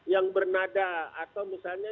yang bernada atau misalnya